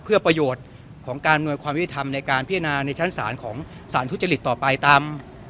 เพื่อประโยชน์ของการอำนวยความยุติธรรมในการพิจารณาในชั้นศาลของสารทุจริตต่อไปตาม